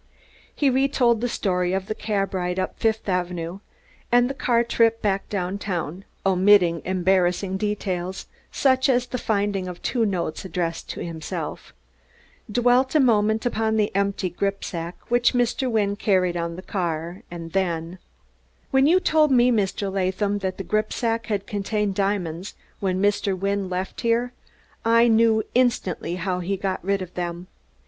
He retold the story of the cab ride up Fifth Avenue, and the car trip back downtown omitting embarrassing details such as the finding of two notes addressed to himself dwelt a moment upon the empty gripsack which Mr. Wynne carried on the car, and then: "When you told me, Mr. Latham, that the gripsack had contained diamonds when Mr. Wynne left here I knew instantly how he got rid of them.